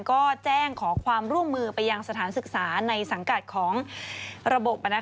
ก็แจ้งขอความร่วมมือไปยังสถานศึกษาในสังกัดของระบบ